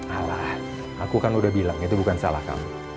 alah aku kan udah bilang itu bukan salah kamu